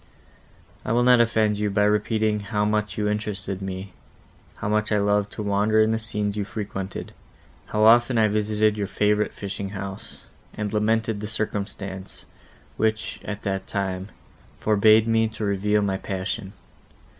I will not offend you by repeating how much you interested me; how much I loved to wander in the scenes you frequented; how often I visited your favourite fishing house, and lamented the circumstance, which, at that time, forbade me to reveal my passion.